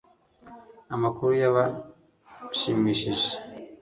amakuru yabashimishije